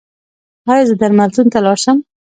ایا زه درملتون ته لاړ شم؟